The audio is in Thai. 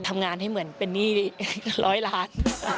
ทำงานให้เหมือนเป็นหนี้ร้อยล้าน